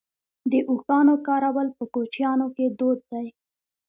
د اوښانو کارول په کوچیانو کې دود دی.